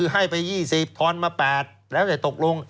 ให้ไป๒๐ล้านทอนมา๘ล้านแล้วถ้าจะตกลง